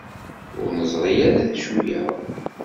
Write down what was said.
Ur neẓri ara d acu-yaɣ.